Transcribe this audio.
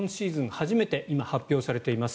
初めて今、発表されています。